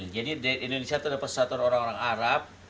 jadi di indonesia itu ada pesatuan orang orang arab